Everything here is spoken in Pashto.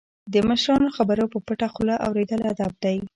د مشرانو خبرې په پټه خوله اوریدل ادب دی.